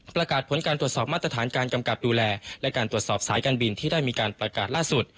ประกาศผลการตรวจสอบมาตรฐานการกำกับดูแลและการตรวจสอบสายการบินที่ได้มีการประกาศล่าสุด